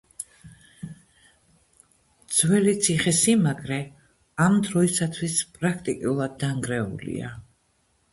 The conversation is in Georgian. ძველი ციხესიმაგრე ამ დროისათვის პრაქტიკულად დანგრეულია.